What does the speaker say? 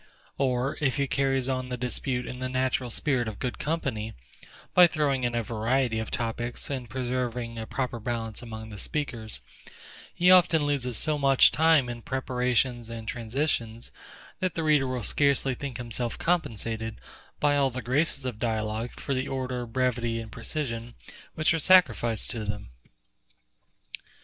Or, if he carries on the dispute in the natural spirit of good company, by throwing in a variety of topics, and preserving a proper balance among the speakers, he often loses so much time in preparations and transitions, that the reader will scarcely think himself compensated, by all the graces of dialogue, for the order, brevity, and precision, which are sacrificed to them.